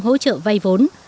hỗ trợ vay vốn